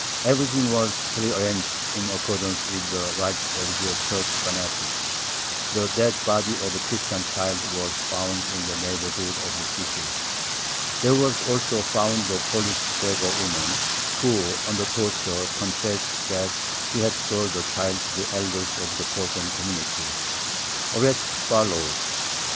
Everything was pre arranged in accordance with the "rites" of the Church fanatics. The dead body of a Christian child was found in the neighborhood of the city. There was also found a Polish beggar woman, who, under torture, confessed that she had sold the child to the elders of the Posen community. Arrests followed.